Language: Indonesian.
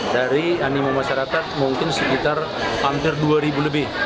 dari animo masyarakat mungkin sekitar hampir dua ribu lebih